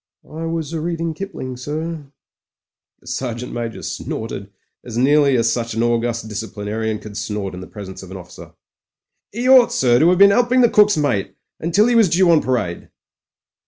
"I was a'reading Kipling, sir." The Sergeant Major snorted as nearly as such an august discipli narian could snort in the presence of his officer. " 'E ought, sir, to 'ave been 'elping the cook's mate — until 'e was due on parade."